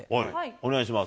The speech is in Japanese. お願いします。